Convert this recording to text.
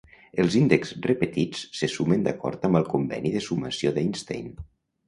Els índexs repetits se sumen d'acord amb el conveni de sumació d'Einstein.